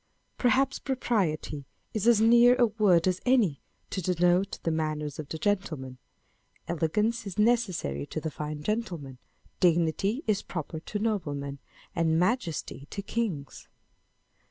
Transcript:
Perhaps propriety is as near a word as any to denote the manners of the gentleman ; elegance is necessary to the fine gentleman ; dignity is proper to noblemen ; and majesty to kings